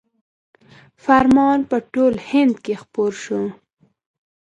فرمان په ټول هند کې خپور شو.